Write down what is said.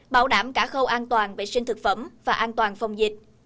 bảo đảm cả khâu an toàn vệ sinh thực phẩm và an toàn phòng dịch